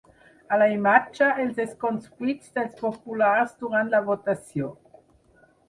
A la imatge, els escons buits dels populars durant la votació.